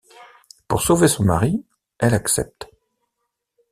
Pour sauver son mari, elle accepte.